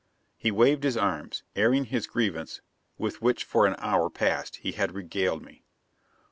He waved his arms, airing his grievance with which for an hour past he had regaled me.